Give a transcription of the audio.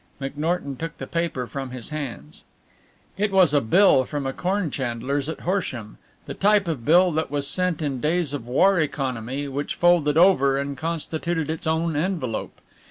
McNorton took the paper from his hands. It was a bill from a corn chandler's at Horsham, the type of bill that was sent in days of war economy which folded over and constituted its own envelope.